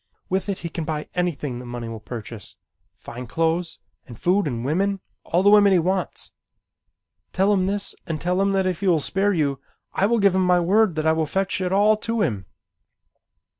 With it he can buy anything that money will purchase, fine clothes and food and women, all the women he wants. Tell him this and tell him that if he will spare you I give him my word that I will fetch it all to him."